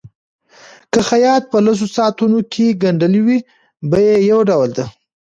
که خیاط په لسو ساعتونو کې ګنډلي وي بیه یو ډول ده.